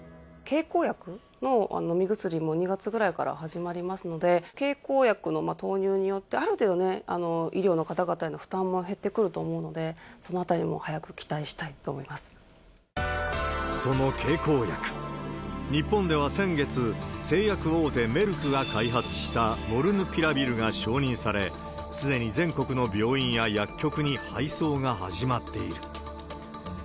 経口薬、飲み薬も２月ぐらいから始まりますので、経口薬の投入によって、ある程度、医療の方々への負担も減ってくると思うので、そのあたりも早く期その経口薬、日本では先月、製薬大手、メルクが開発したモルヌピラビルが承認され、すでに全国の病院や薬局に配送が始まっている。